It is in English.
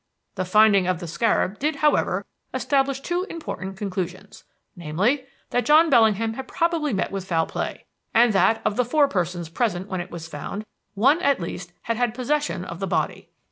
The finding of the scarab did, however, establish two important conclusions: namely, that John Bellingham had probably met with foul play, and that of the four persons present when it was found, one at least had had possession of the body.